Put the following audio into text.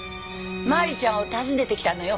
マリちゃんを訪ねてきたのよ